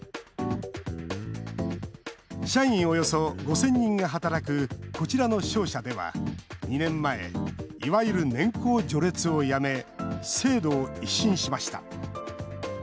社員およそ５０００人が働くこちらの商社では、２年前いわゆる年功序列をやめ制度を一新しました。